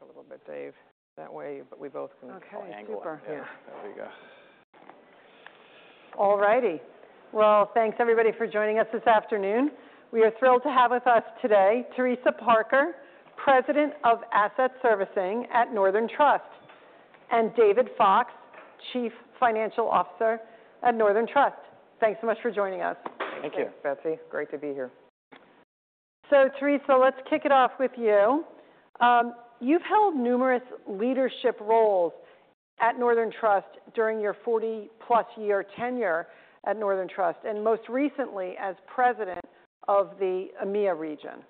A little bit, Dave, that way. We both can. Alrighty. Thanks everybody for joining us this afternoon. We are thrilled to have with us today Teresa Parker, President of Asset Servicing at Northern Trust, and David Fox, Chief Financial Officer at Northern Trust. Thanks so much for joining us. Thank you, Betsy. Great to be here. Teresa, let's kick it off with you. You've held numerous leadership roles at Northern Trust during your 40+ year tenure at Northern Trust and most recently as President of the EMEA region.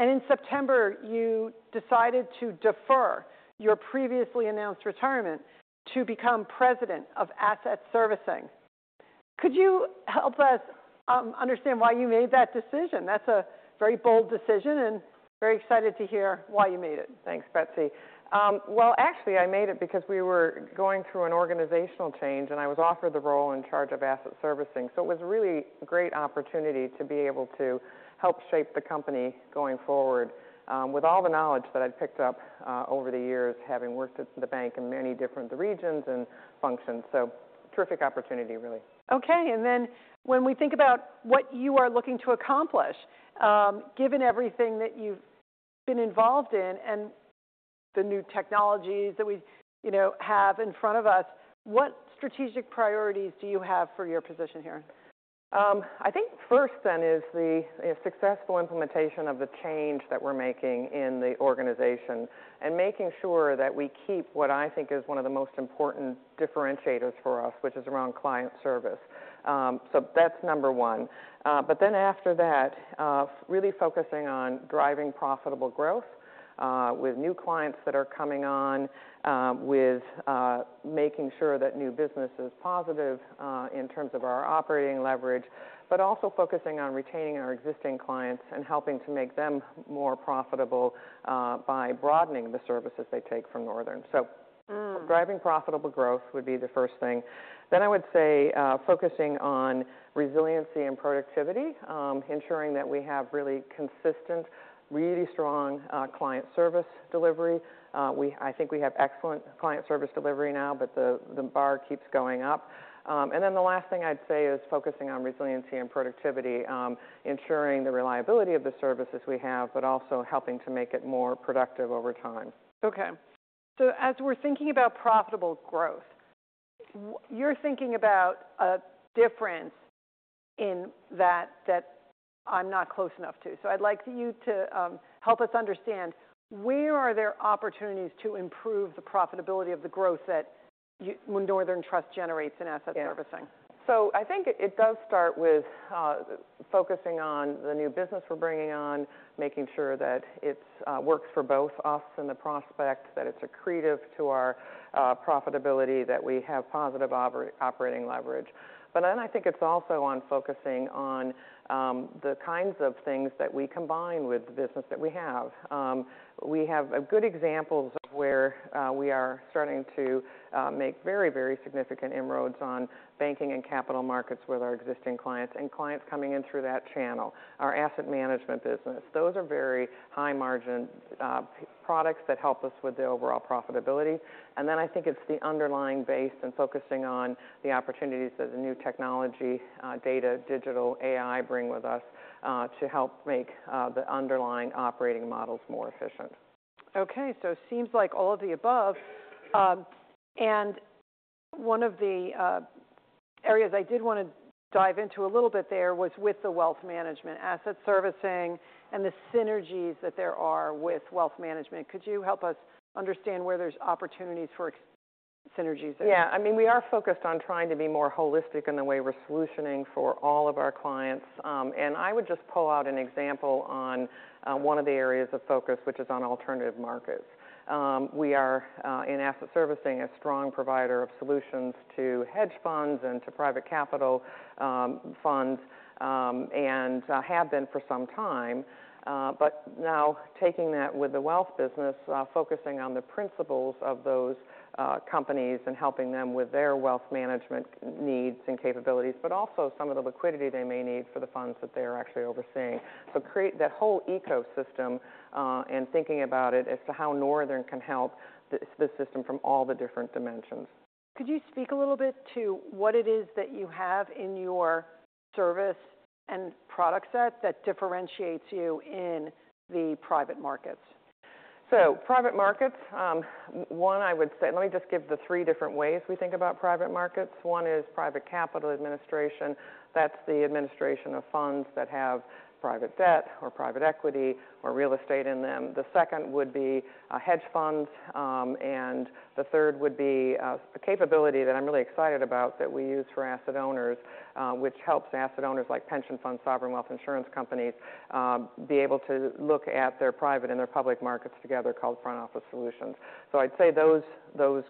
In September, you decided to defer your previously announced retirement to become President of Asset Servicing. Could you help us understand why you made that decision? That's a very bold decision and very excited to hear why you made it. Thanks, Betsy. Actually I made it because we were going through an organizational change and I was offered the role in charge of Asset Servicing. It was really great opportunity to be able to help shape the company going forward with all the knowledge that I picked up over the years, having worked at the bank in many different regions and function. Terrific opportunity, really. Okay, and then when we think about what you are looking to accomplish, given everything that you've been involved in and the new technologies that we have in front of us, what strategic priorities do you have for your position here? I think first then is the successful implementation of the change that we're making in the organization and making sure that we keep what I think is one of the most important differentiators for us, which is around client service. That is number one. After that, really focusing on driving profitable growth with new clients that are coming on with making sure that new business is positive in terms of our operating leverage, but also focusing on retaining our existing clients and helping to make them more profitable by broadening the services they take from Northern. Driving profitable growth would be the first thing. I would say focusing on resiliency and productivity, ensuring that we have really consistent, really strong client service delivery. I think we have excellent client service delivery now, but the bar keeps going up. The last thing I'd say is focusing on resiliency and productivity, ensuring the reliability of the services we have, but also helping to make it more productive over time. Okay, as we're thinking about profitable growth, you're thinking about a difference in that that I'm not close enough to. I'd like you to help us understand where are there opportunities to improve the profitability of the growth that Northern Trust generates in Asset Servicing. I think it does start with focusing on the new business we're bringing on, making sure that it works for both us and the prospect, that it's accretive to our profitability, that we have positive operating leverage. I think it's also on focusing on the kinds of things that we combine with the business that we have. We have good examples of where we are starting to make very, very significant inroads on banking and capital markets with our existing clients and clients coming in through that channel. Our asset management business, those are very high margin products that help us with the overall profitability. I think it's the underlying base and focusing on the opportunities that the new technology, data, digital AI bring with us to help make the underlying operating models more efficient. Okay, so seems like all of the above and one of the areas I did want to dive into a little bit there was with the wealth management, asset servicing and the synergies that there are with wealth management. Could you help us understand where there's opportunities for synergies there? Yeah, I mean we are focused on trying to be more holistic in the way we're solutioning for all of our clients. I would just pull out an example on one of the areas of focus, which is on alternative markets. We are in asset servicing, a strong provider of solutions to hedge funds and to private capital funds and have been for some time. Now taking that with the wealth business, focusing on the principles of those companies and helping them with their wealth management needs and capabilities, but also some of the liquidity they may need for the funds that they are actually overseeing. Create that whole ecosystem and thinking about it as to how Northern can help the system from all the different dimensions. Could you speak a little bit to what it is that you have in your service and product set that differentiates you in the private markets? Private markets, one, I would say, let me just give the three different ways we think about private markets. One is private capital administration. That is the administration of funds that have private debt or private equity or real estate in them. The second would be hedge funds. The third would be a capability that I'm really excited about that we use for asset owners, which helps asset owners like pension funds, sovereign wealth, insurance companies be able to look at their private and their public markets together, called Front Office Solutions. I'd say those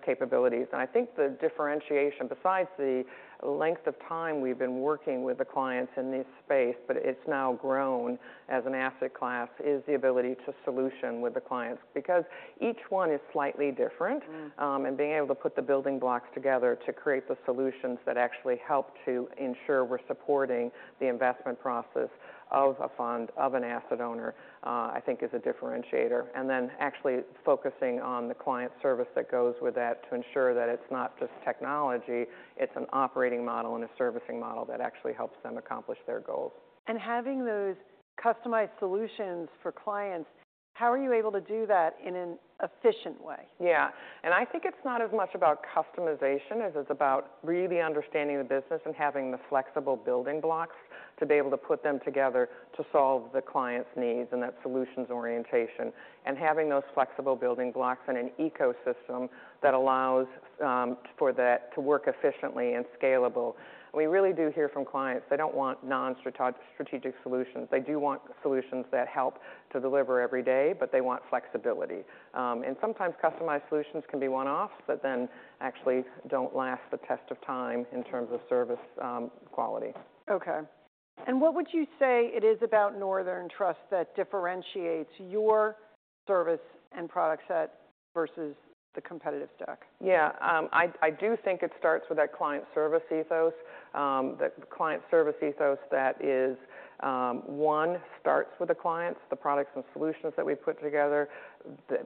capabilities and I think the differentiation, besides the length of time we've been working with the clients in this space, but it's now grown as an asset class, is the ability to solution with the clients because each one is slightly different and being able to put the building blocks together to create the solutions that actually help to ensure we're supporting the investment process of a fund of an asset owner I think is a differentiator. Then actually focusing on the client service that goes with that to ensure that it's not just technology, it's an operating model and a servicing model that actually helps them accomplish their goals. Having those customized solutions for clients, how are you able to do that in an efficient way? Yeah, and I think it's not as much about customization as it's about really understanding the business and having the flexible building blocks to be able to put them together to solve the client's needs, and that solutions orientation and having those flexible building blocks and an ecosystem that allows for that to work efficiently and scalable. We really do hear from clients they don't want non strategic solutions. They do want solutions that help to deliver every day, but they want flexibility. And sometimes customized solutions can be one offs but then actually don't last the test of time in terms of service quality. Okay, what would you say it is about Northern Trust that differentiates your service and product set versus the competitive stack? Yeah, I do think it starts with that client service ethos. That client service ethos, that is one starts with the clients. The products and solutions that we put together,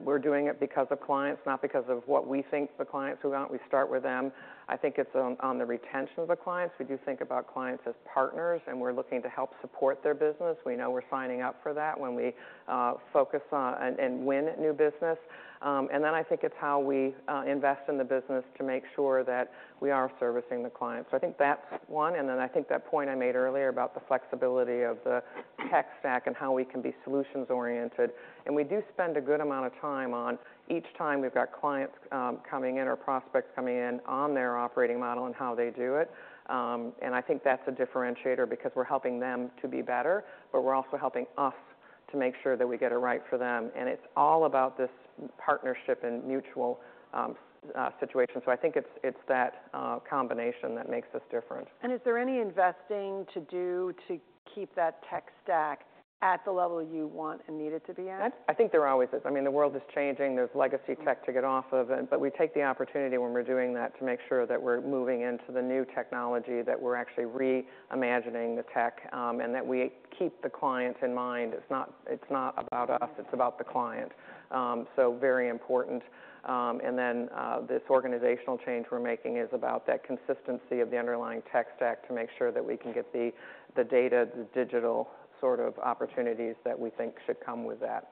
we're doing it because of clients, not because of what we think. The clients we want, we start with them. I think it's on the retention of the clients. We do think about clients as part of partners and we're looking to help support their business. We know we're signing up for that when we focus and win new business. I think it's how we invest in the business to make sure that we are servicing the clients. I think that's one. I think that point I made earlier about the flexibility of the tech stack and how we can be solutions oriented, and we do spend a good amount of time on each time we've got clients coming in or prospects coming in on their operating model and how they do it. I think that's a differentiator because we're helping them to be better, but we're also helping us to make sure that we get it right for them. It's all about this partnership and mutual situation. I think it's that combination that makes us different. Is there any investing to do to keep that tech stack at the level you want and need it to be at? I think there always is. I mean the world is changing. There is legacy tech to get off of. We take the opportunity when we are doing that to make sure that we are moving into the new technology, that we are actually revenue imagining the tech, and that we keep the client in mind. It is not about us, it is about the client. Very important. This organizational change we are making is about that consistency of the underlying tech stack to make sure that we can get the data, the digital sort of opportunities that we think should come with that.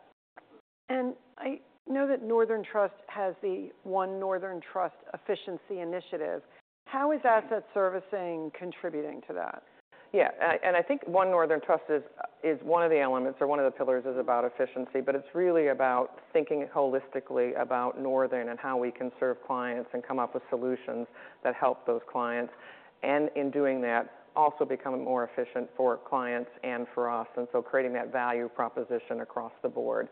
I know that Northern Trust has the One Northern Trust efficiency initiative. How is asset servicing contributing to that? Yeah, and I think One Northern Trust is one of the elements or one of the pillars is about efficiency. It is really about thinking holistically about Northern and how we can serve clients and come up with solutions that help those clients and in doing that also become more efficient for clients and for us. Creating that value proposition across the board.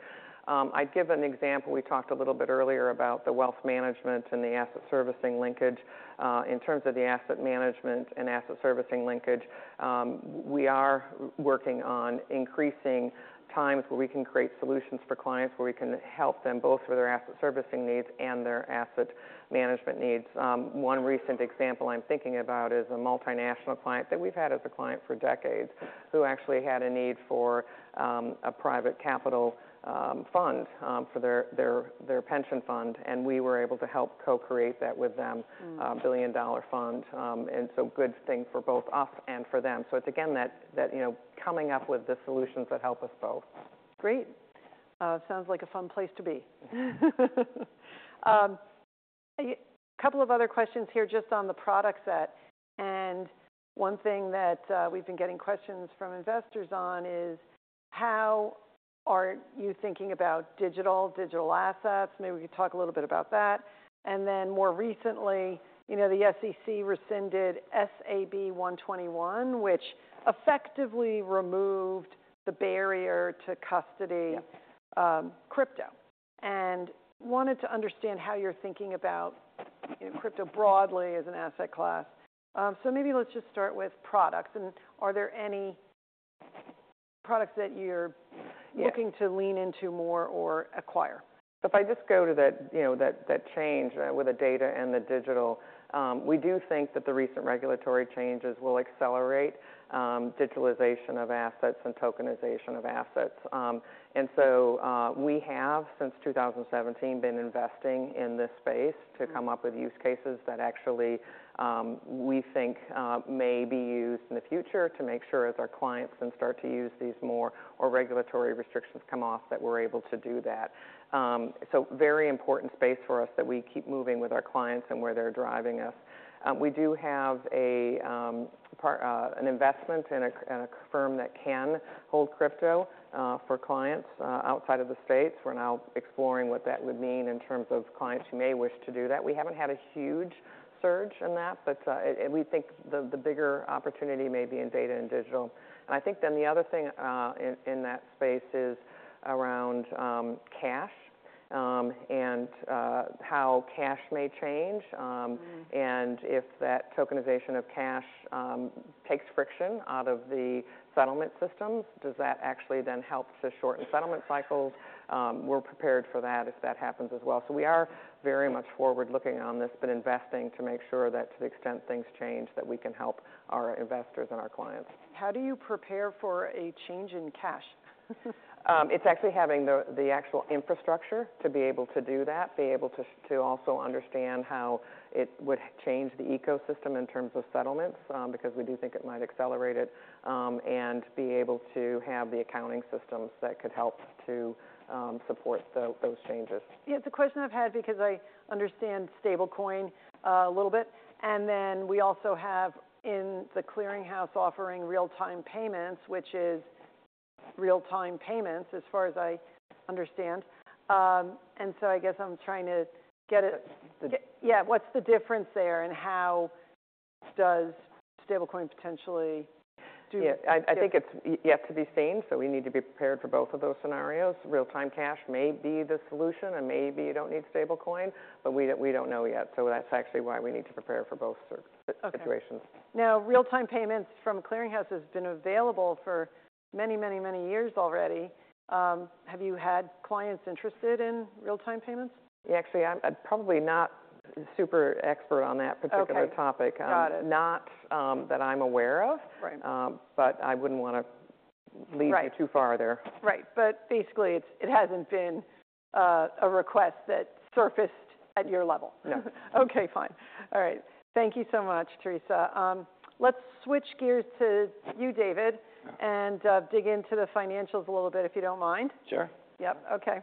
I'd give an example. We talked a little bit earlier about the wealth management and the asset management servicing linkage. In terms of the asset management and asset servicing linkage, we are working on increasing times where we can create solutions for clients where we can help them both with their asset servicing needs and their asset management needs. One recent example I'm thinking about is a multinational client that we've had as a client for decades who actually had a need for a private capital fund for their pension fund and we were able to help co-create that with them. $1 billion fund. Good thing for both us and for them. It's again that coming up with the solutions that help us both. Great. Sounds like a fun place to be. A couple of other questions here just on the product set, and one thing that we've been getting questions from investors on is how are you thinking about digital digital assets? Maybe we could talk a little bit about that. More recently the SEC rescinded SAB 121, which effectively removed the barrier to custody crypto, and wanted to understand how you're thinking about crypto broadly as an asset class. Maybe let's just start with products, and are there any products that you're looking to lean into more or acquire? If I just go to that change with the data and the digital. We do think that the recent regulatory changes will accelerate digitalization of assets and tokenization of assets. We have since 2017 been investing in this space to come up with use cases that actually we think may be used in the future to make sure as our clients then start to use these, more or regulatory restrictions come off that we're able to do that. Very important space for us that we keep moving with our clients and where they're driving us. We do have an investment in a firm that can hold crypto for clients outside of the states. We're now exploring what that would mean in terms of clients who may wish to do that. We haven't had a huge surge in that, but we think the bigger opportunity may be in data and digital. I think then the other thing in that space is around cash and how cash may change. If that tokenization of cash takes friction out of the settlement systems, does that actually then help to shorten settlement cycles? We're prepared for that if that happens as well. We are very much forward looking on this, but investing to make sure that to the extent things change, we can help our investors and our clients. How do you prepare for a change in cash? It's actually having the actual infrastructure to be able to do that. Be able to also understand how it would change the ecosystem in terms of settlements because we do think it might accelerate it and be able to have the accounting systems that could help to support those changes. It's a question I've had because I understand stablecoin a little bit. And then we also have in The Clearing House offering real-time payments, which is real-time payments as far as I understand. I guess I'm trying to get it. Yeah, what's the difference there? How does stablecoin potentially do? I think it's yet to be seen. We need to be prepared for both of those scenarios. Real-time cash may be the solution and maybe you don't need stablecoin, but we don't know yet. That's actually why we need to prepare for both situations. Now, real-time payments from Clearing House have been available for many, many, many years already. Have you had clients interested in real-time payments? Actually, I'm probably not super expert on that particular topic. Not that I'm aware of, but I wouldn't want to lead you too far there. Right. But basically it hasn't been a request that surfaced at your level. No Okay, fine. All right, thank you so much. Teresa. Let's switch gears. You, David, and dig into the financials a little bit, if you don't mind. Sure. Yep. Okay,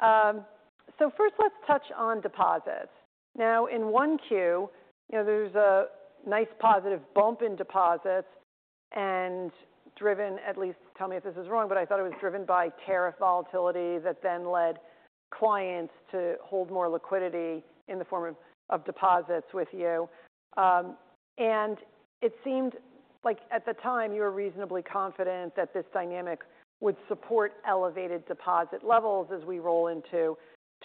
so first let's touch on deposits. Now in 1Q, you know, there's a nice positive bump in deposits and driven. At least tell me if this is wrong, but I thought it was driven by tariff volatility that then led clients to hold more liquidity in the form of deposits with you. It seemed like at the time you were reasonably confident that this dynamic would support elevated deposit levels. As we roll into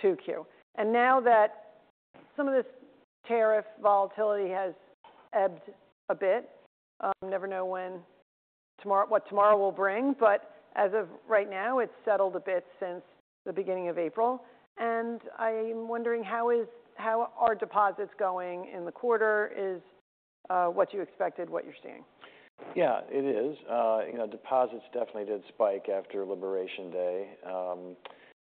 2Q and now that some of this tariff volatility has ebbed a bit, never know what tomorrow will bring. As of right now, it's settled a bit since the beginning of April. I'm wondering, how are deposits going in the quarter? Is what you expected what you're seeing? Yeah, it is. You know, deposits definitely did spike after Liberation Day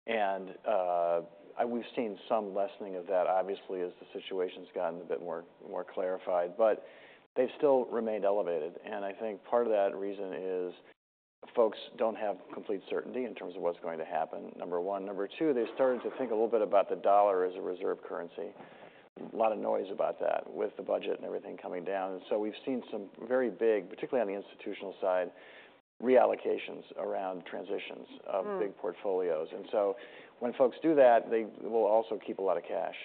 and we've seen some lessening of that obviously as the situation's gotten a bit more clarified, but they've still remained elevated. I think part of that reason is folks don't have complete certainty in terms of what's going to happen, number one. Number two, they started to think a little bit about the dollar as a reserve currency. A lot of noise about that with the budget and everything coming down. We've seen some very big, particularly on the institutional side, reallocations around transitions of big portfolios. When folks do that, they will also keep a lot of cash,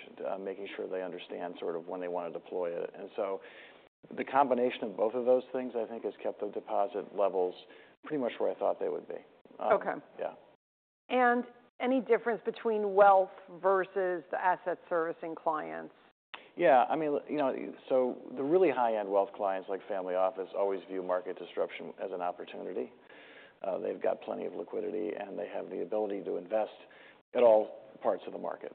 making sure they understand sort of when they want to deploy it. The combination of both of those things, I think, has kept the deposit levels pretty much where I thought they would be. Okay. Yeah. Any difference between wealth versus the asset servicing clients? Yeah, I mean, you know, the really high end wealth clients like Family Office always view market disruption as an opportunity. They've got plenty of liquidity and they have the ability to invest at all parts of the market.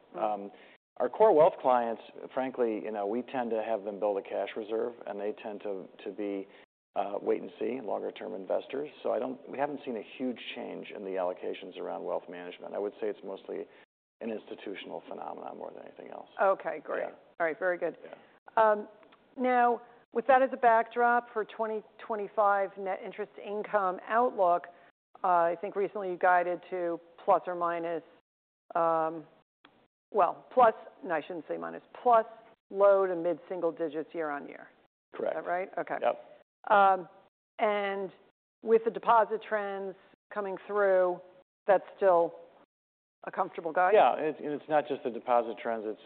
Our core wealth clients, frankly, you know, we tend to have them build a cash reserve and they tend to be, wait and see, longer term investors. I do not. We have not seen a huge change in the allocations around wealth management. I would say it is mostly an institutional phenomenon more than anything else. Okay, great. All right, very good. Now with that as a backdrop for 2025 net interest income outlook, I think recently you guided to plus or minus. Well, plus. No, I shouldn't say minus. Plus. Low to mid single digits year on year. Correct. Is that right? Okay. With the deposit trends coming through, that's still a comfortable guide. Yeah. It is not just the deposit trends. It is,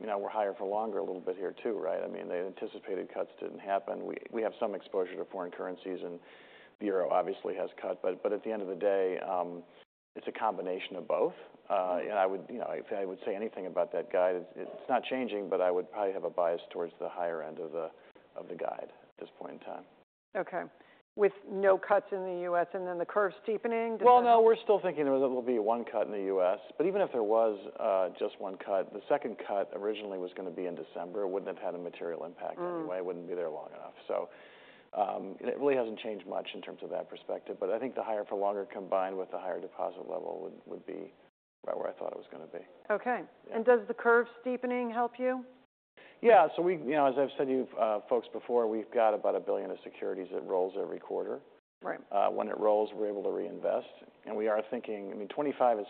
you know, we are higher for longer a little bit here too. Right. I mean the anticipated cuts did not happen. We have some exposure to foreign currencies and the euro obviously has cut, but at the end of the day, it is a combination of both. I would, you know, if I would say anything about that guide, it is not changing, but I would probably have a bias towards the higher end of the guide at this point in time. Okay. With no cuts in the U.S. and then the curve steepening? No, we're still thinking there will be one cut in the U.S. but even if there was just one cut, the second cut originally was going to be in December. It wouldn't have had a material impact anyway. It wouldn't be there long enough. It really hasn't changed much in terms of that perspective. I think the higher for longer combined with the higher deposit level would be right where I thought it was going to be. Okay. Does the curve steepening help you? Yeah. As I've said to you folks before, we've got about $1 billion of securities that rolls every quarter. When it rolls, we're able to reinvest. I mean, 2025 is,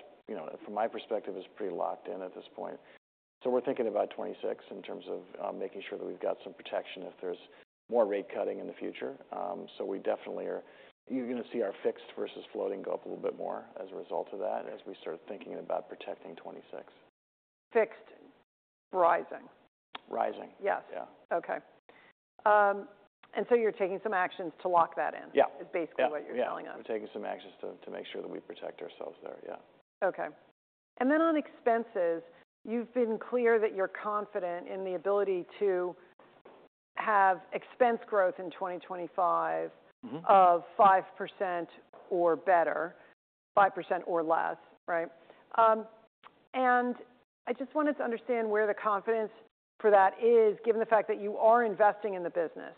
from my perspective, is pretty locked in at. We're thinking about 2026 in terms of making sure that we've got some protection if there's more rate cutting in the future. We definitely are. You're going to see our fixed versus floating go up a little bit more as a result of that as we start thinking about protecting 2026. Fixed. Rising. Rising, yes. Okay. You are taking some actions to lock that in. Yeah. Is basically what you're telling us. We're taking some actions to make sure that we protect ourselves there. Yeah. Okay. On expenses, you've been clear that you're confident in the ability to have expense growth in 2025 of 5% or better, 5% or less, right. I just wanted to understand where the confidence for that is, given the fact that you are investing in the business.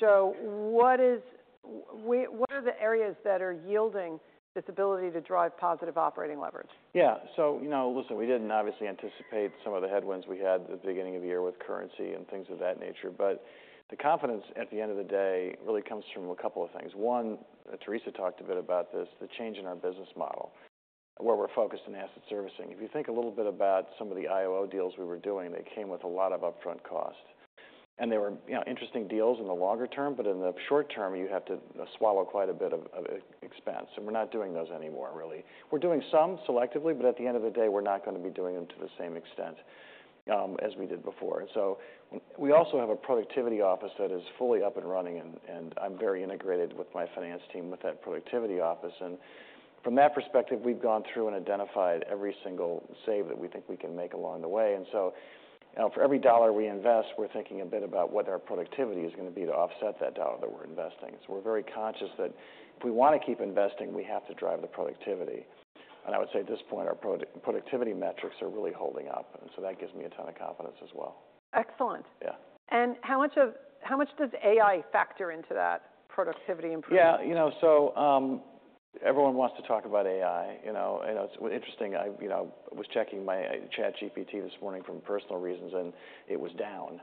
What is, what are the areas that are yielding its ability to drive positive operating leverage. Yeah. So, you know, listen, we did not obviously anticipate some of the headwinds we had at the beginning of the year with currency and things of that nature. The confidence at the end of the day really comes from a couple of things. One, Teresa talked a bit about this, the change in our business model where we are focused on asset servicing. If you think a little bit about some of the IOO deals we were doing, they came with a lot of upfront cost and they were interesting deals in the longer term. In the short term, you have to swallow quite a bit of expense. We are not doing those anymore, really. We are doing some selectively, but at the end of the day, we are not going to be doing them to the same extent as we did before. We also have a productivity office that is fully up and running. I'm very integrated with my finance team with that productivity office. From that perspective, we've gone through and identified every single save that we think we can make along the way. For every dollar we invest, we're thinking a bit about what our productivity is going to be to offset that dollar that we're investing. We're very conscious that if we want to keep investing, we have to drive the productivity. I would say at this point, our productivity metrics are really holding up. That gives me a ton of confidence as well. Excellent. Yeah. How much does AI factor into that productivity improvement? Yeah, you know, so everyone wants to talk about AI. You know, it's interesting. I was checking my ChatGPT this morning for personal reasons, and it was down.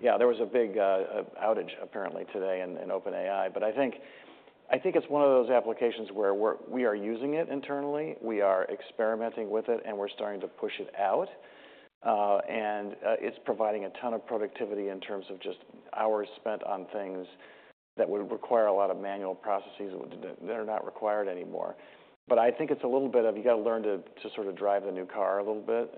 Yeah, there was a big outage apparently today in OpenAI. I think it's one of those applications where we are using it internally, we are experimenting with it and we're starting to push it out. It's providing a ton of productivity in terms of just hours spent on things that would require a lot of manual processes that are not required anymore. I think it's a little bit of, you got to learn to sort of drive the new car a little bit.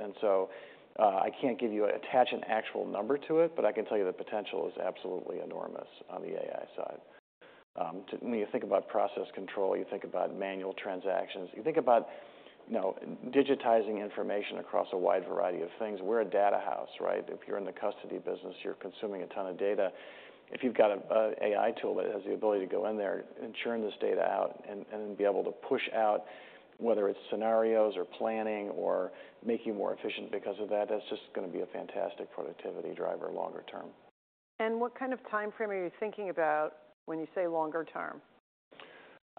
I can't give you, attach an actual number to it, but I can tell you the potential is absolutely enormous. On the AI side, when you think about process control, you think about manual transactions, you think about digitizing information across a wide variety of things. We're a data house, right. If you're in the custody business, you're consuming a ton of data. If you've got an AI tool that has the ability to go in there and churn this data out and be able to push out whether it's scenarios or planning or make you more efficient because of that, that's just going to be a fantastic productivity driver longer term. What kind of time frame are you thinking about when you say longer term?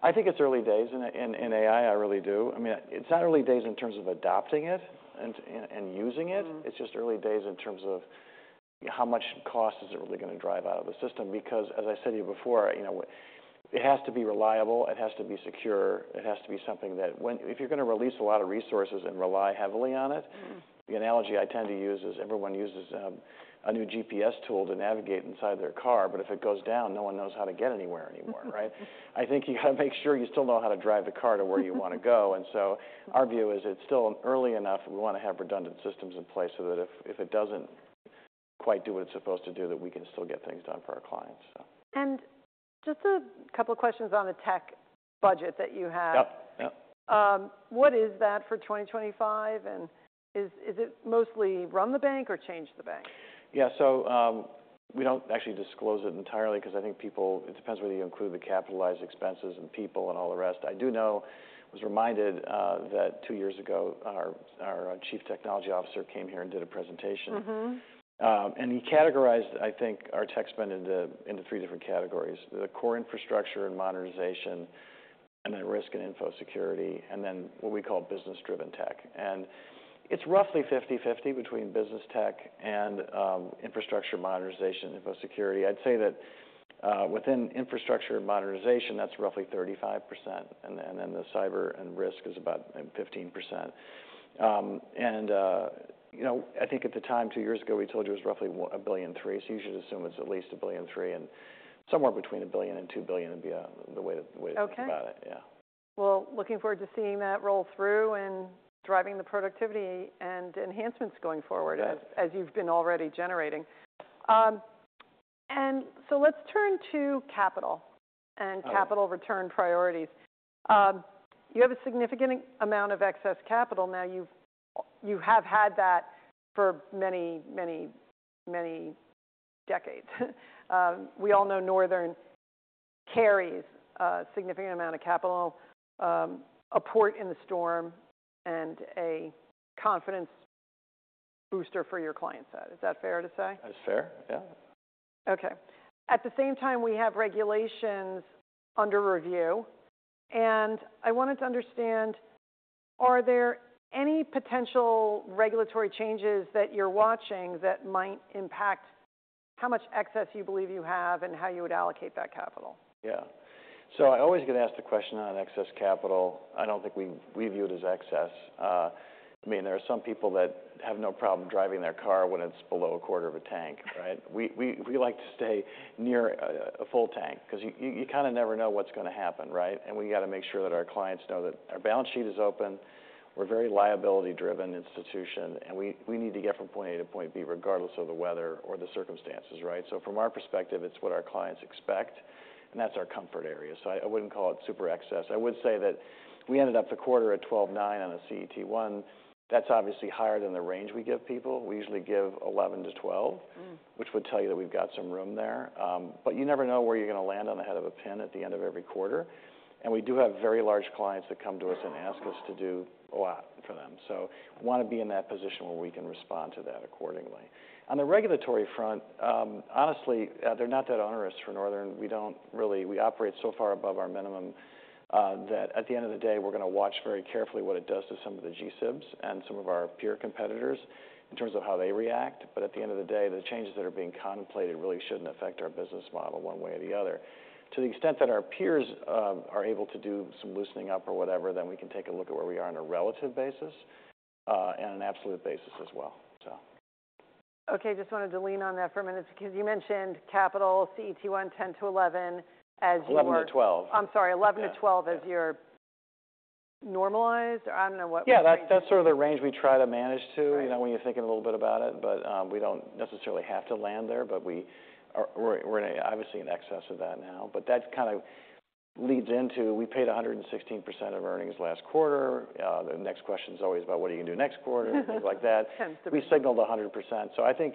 I think it's early days in AI. I really do. I mean, it's not early days in terms of adopting it and using it. It's just early days in terms of how much cost is it really going to drive out of the system? Because as I said to you before, it has to be reliable, it has to be secure. It has to be something that if you're going to release a lot of resources and rely heavily on it. The analogy I tend to use is everyone uses a new GPS tool to navigate inside their car, but if it goes down, no one knows how to get anywhere anymore. Right. I think you got to make sure you still know how to drive the car to where you want to go. Our view is it's still early enough. We want to have redundant systems in place so that if it doesn't quite do what it's supposed to do, that we can still get things done for our clients. Just a couple questions on the tech budget that you have. What is that for 2025 and is it mostly run the bank or change the bank? Yeah, so we do not actually disclose it entirely because I think people, it depends whether you include the capitalized expenses and people and all the rest. I do know. Was reminded that two years ago our Chief Technology Officer came here and did a presentation and he categorized, I think, our tech spend into three different categories. The core infrastructure and modernization and then risk and infosecurity. And then what we call business driven tech. And it is roughly 50/50 between business tech and infrastructure modernization, infosecurity. I would say that within infrastructure modernization, that is roughly 35% and then the cyber and risk is about 15%. And you know, I think at the time two years ago, we told you it was roughly $1.3 billion. You should assume it's at least $1.3 billion, and somewhere between $1 billion and $2 billion would be the way to think about it. Yeah. Looking forward to seeing that roll through and driving the productivity and enhancements going forward as you've been already generating. Let's turn to capital and capital return priorities. You have a significant amount of excess capital now. You have had that for many, many, many decades. We all know Northern carries a significant amount of capital. A port in the storm and a confidence booster for your client side. Is that fair to say? That's fair, yeah. Okay. At the same time, we have regulations under review and I wanted to understand, are there any potential regulatory changes that you're watching that might impact how much excess you believe you have and how you would allocate that capital? Yeah. I always get asked the question on excess capital. I do not think we view it as excess. I mean, there are some people that have no problem driving their car when it is below a quarter of a tank. Right. We like to stay near a full tank because you kind of never know what is going to happen. Right. We have to make sure that our clients know that our balance sheet is open. We are a very liability driven institution and we need to get from point A to point B regardless of the weather or the circumstances. Right. From our perspective, it is what our clients expect and that is our comfort area. I would not call it super excess. I would say that we ended up the quarter at 12.9% on a CET1. That is obviously higher than the range we give people. We usually give 11%-12%, which would tell you that we've got some room there. You never know where you're going to land on the head of a pin at the end of every quarter. We do have very large clients that come to us and ask us to do a lot for them. Want to be in that position where we can respond to that accordingly. On the regulatory front, honestly, they're not that onerous. For Northern, we don't really. We operate so far above our minimum that at the end of the day, we're going to watch very carefully what it does to some of the G-SIBs and some of our peer competitors in terms of how they react. At the end of the day, the changes that are being contemplated really shouldn't affect our business model one way or the other. To the extent that our peers are able to do some loosening up or whatever, then we can take a look at where we are on a relative basis and an absolute basis as well. Okay, just wanted to lean on that for a minute because you mentioned capital CET1 10%-11% as you. 11%-12%. I'm sorry, 11%-12% is your normalized or I don't know what. Yeah, that's sort of the range we try to manage to, you know, when you're thinking a little bit about it. We don't necessarily have to land there, but we're obviously in excess of that now. That kind of leads into, we paid 116% of earnings last quarter. The next question is always about what are you going to do next quarter, things like that. We signaled 100%, so I think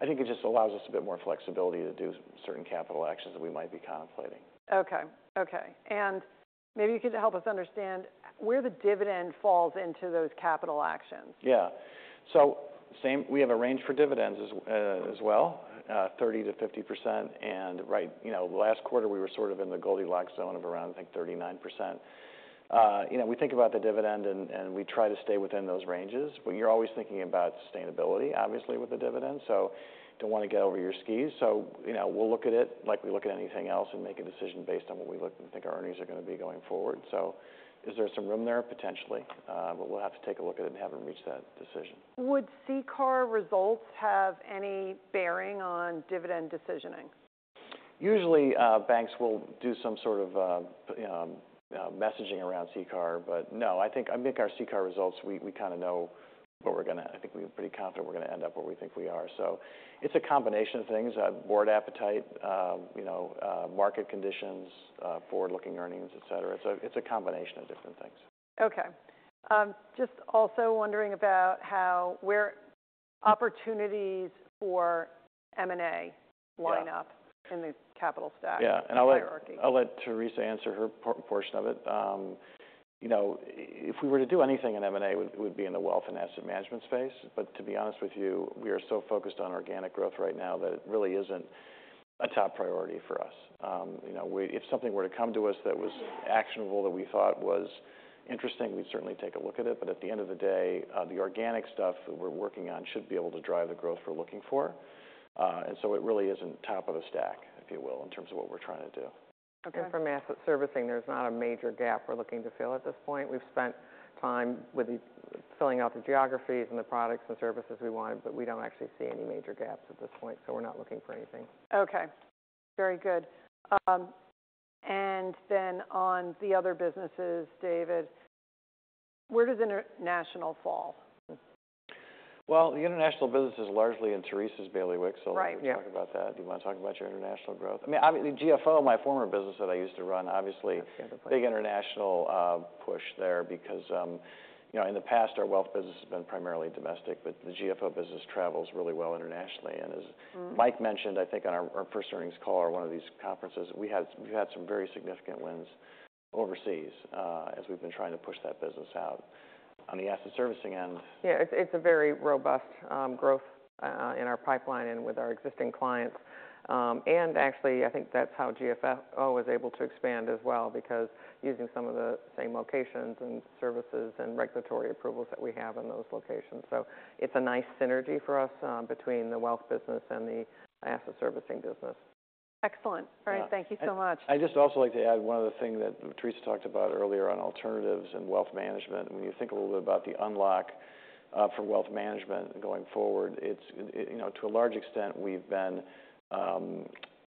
it just allows us a bit more flexibility to do certain capital action that we might be contemplating. Okay, okay. Maybe you could help us understand where the dividend falls into those capital actions. Yeah. So same. We have a range for dividends as well, 30%-50%, and. Right. You know, last quarter we were sort of in the Goldilocks zone of around, I think, 39%. You know, we think about the dividend and we try to stay within those ranges, but you're always thinking about sustainability obviously with the dividend. Do not want to get over your skis. You know, we'll look at it like we look at anything else and make a decision based on what we look and think our earnings are going to be going forward. Is there some room there? Potentially, but we'll have to take a look at it and have not reached that decision. Would CCAR results have any bearing on dividend decisioning? Usually banks will do some sort of messaging around CCAR, but no, I think our CCAR results we kind of know, but we're going to, I think we're pretty confident we're going to end up where we think we are. It is a combination of things. Board appetite, you know, market conditions, forward looking earnings, et cetera. It is a combination of different things. Okay, just also wondering about how where opportunities for M&A line up. In the capital stack hierarchy. I'll let Teresa answer her portion of it. You know, if we were to do anything in M&A, it would be in the wealth and asset management space. To be honest with you, we are so focused on organic growth right now that it really isn't a top priority for us. You know, if something were to come to us that was actionable, that we thought was interesting, we'd certainly take a look at it. At the end of the day, the organic stuff that we're working on should be able to drive the growth we're looking for. It really isn't top of the stack, if you will, in terms of what we're trying to do and. From asset servicing, there's not a major gap we're looking to fill at this point. We've spent time with filling out the geographies and the products and services we wanted, but we don't actually see any major gaps at this point. We're not looking for anything. Okay, very good. And then on the other businesses, David, where does international fall? The international business is largely in Teresa's bailiwick. Let's talk about that. Do you want to talk about your international growth GFO? My former business that I used to run, obviously big international push there because, you know, in the past our wealth business has been primarily domestic, but the GFO business travels really well internationally. And as Mike mentioned, I think on our first earnings call or one of these conferences, we had some very significant wins overseas as we've been trying to push that business out on the asset servicing end. Yeah, it's a very robust growth in our pipeline and with our existing clients. Actually, I think that's how GFO is able to expand as well because using some of the same locations and services and regulatory approvals that we have in those locations. It's a nice synergy for us between the wealth business and the asset servicing business. Excellent. Thank you so much. I'd just also like to add one other thing that Teresa talked about earlier on alternatives and wealth management. When you think a little bit about the unlock for wealth management going forward, it's, you know, to a large extent we've been a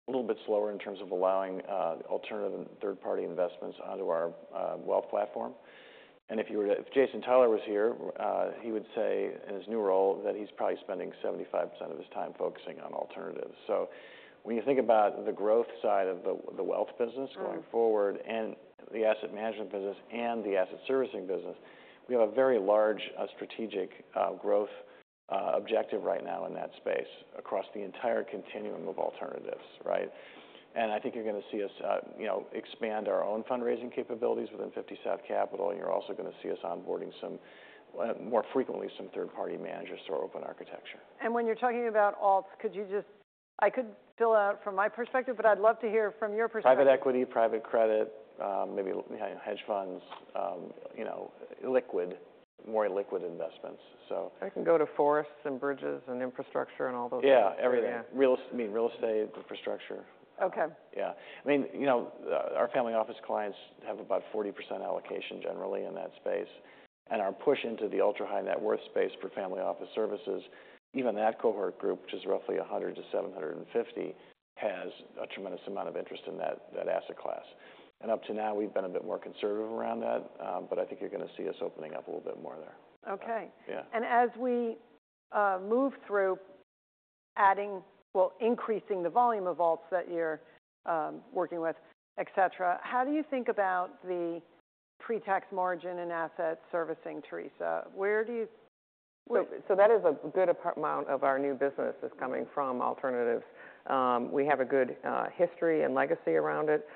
little bit slower in terms of allowing alternative third party investments onto our wealth platform. If you were to, if Jason Tyler was here, he would say in his new role that he's probably spending 75% of his time focusing on alternatives. When you think about the growth side of the wealth business going forward and the asset management business and the asset servicing business, we have a very large strategic growth objective right now in that space across the entire continuum of alternatives. Right. I think you're going to see us, you know, expand our own fundraising capabilities within 50 South Capital and you're also going to see us onboarding some more frequently, some third party managers through open architecture. When you're talking about alts, could you just—I could fill out from my perspective, but I'd love to hear from your perspective Private equity, private credit, maybe hedge funds, you know, liquid, more liquid investments. I can go to forests and bridges and infrastructure and all those. Yeah, everything. Real estate, infrastructure. Okay. Yeah. I mean, you know, our family office clients have about 40% allocation generally in that space. Our push into the ultra high net worth space for family office services, even that cohort group, which is roughly $100 million- $750 million, has a tremendous amount of interest in that asset class. Up to now we've been a bit more conservative around that. I think you're going to see us opening up a little bit more there. Okay. As we move through adding, well, increasing the volume of vaults that you're working with, et cetera, how do you think about the pre-tax margin in asset servicing? Teresa, where do you. That is a good amount of our new business is coming from alternatives. We have a good history and legacy around it,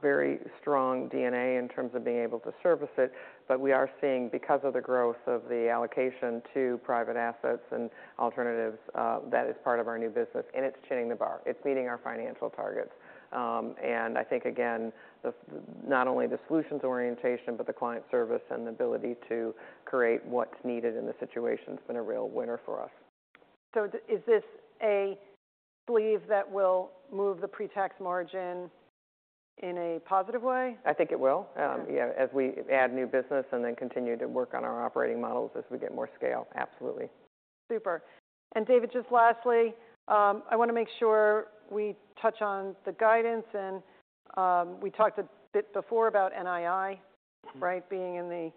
very strong DNA in terms of being able to service it. We are seeing because of the growth of the allocation to private assets and alternatives that is part of our new business and it is chinning the bar, it is meeting our financial targets. I think again, not only the solutions orientation, but the client service and the ability to create what is needed in the situation has been a real winner for us. Is this a sleeve that will move the pre-tax margin in a positive way? I think it will as we add new business and then continue to work on our operating models as we get more scale. Absolutely. Super. David, just lastly, I want to make sure we touch on the guidance and we talked a bit before about NII, right, being in the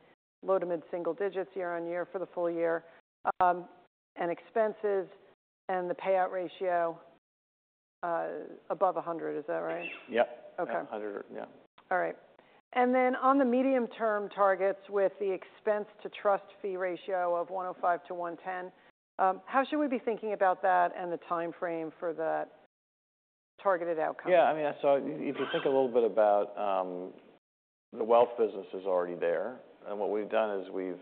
low-to-mid single digits year on year for the full year and expenses and the payout ratio above 100%, is that right? Yep. Okay. All right. And then on the medium term targets with the expense to trust fee ratio of 105%-110%, how should we be thinking about that and the time frame for that targeted outcome? Yeah, I mean if you think a little bit about the wealth business is already there and what we've done is we've,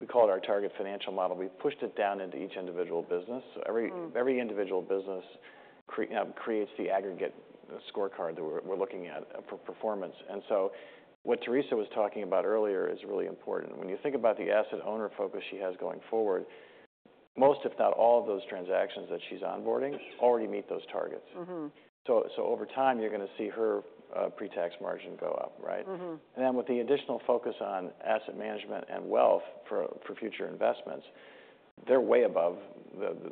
we call it our target financial model. We've pushed it down into each individual business. Every individual business creates the aggregate scorecard that we're looking at for performance. What Teresa was talking about earlier is really important. When you think about the asset owner focus she has going forward, most if not all of those transactions that she's onboarding already meet those targets. Over time you're going to see her pre-tax margin go up. Right. With the additional focus on asset management and wealth for future investments, they're way above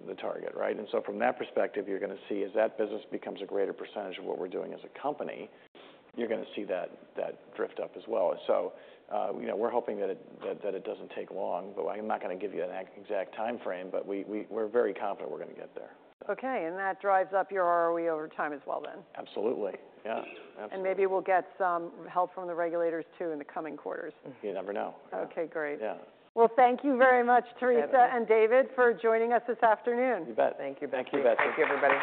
the target. Right. From that perspective, you're going to see as that business becomes a greater percentage of what we're doing as a company, you're going to see that drift up as well. You know, we're hoping that it doesn't take long, but I'm not going to give you an exact time frame, but we're very confident we're going to get there. Okay. That drives up your ROE over time as well then. Absolutely. Yeah. Maybe we'll get some help from the regulators too in the coming quarters. You never know. Okay, great. Thank you very much, Teresa and David, for joining us this afternoon. You bet. Thank you, Betsy. Thank you, Betsy. Thank you everybody.